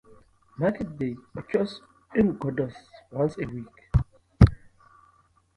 Market day occurs in Gordes once a week.